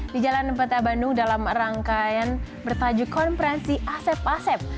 di jalan peta bandung dalam rangkaian bertajuk konferensi asep asep